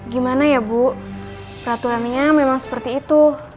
gimana ya bu peraturan nya memang seperti itu